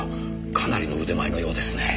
かなりの腕前のようですねえ。